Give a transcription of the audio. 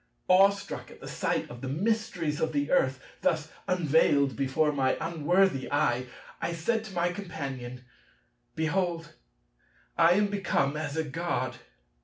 Awestruck at the sight of the mysteries of the earth, thus unveiled before my unworthy eye, I said to my Companion, "Behold, I am become as a God.